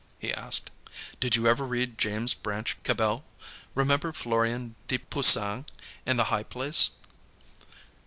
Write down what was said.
he asked. "Did you ever read James Branch Cabell? Remember Florian de Puysange, in 'The High Place'?"